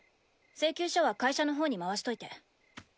請求書は会社の方に回しといて。